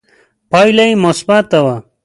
پایله یې مثبته وه